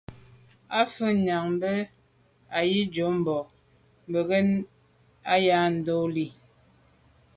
À’ fə̂ nyɑ́ gə̀ bə́ â Ahidjò mbɑ́ bə̀k bə́ á yá ndɔ̌n lî.